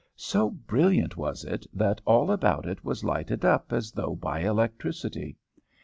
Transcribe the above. So brilliant was it that all about it was lighted up as though by electricity.